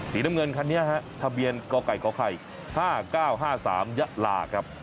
สีน้ำเงินคันนี้ฮะทะเบียนกไก่ขไข่๕๙๕๓ยะลาครับ